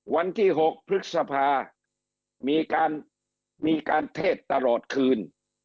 วันที่๖พฤษภามีการเทศตลอดคืน